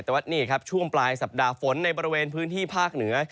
แต่ว่านี่ครับช่วงปลายสัปดาห์ฝนในบริเวณพื้นที่ภาคเหนือ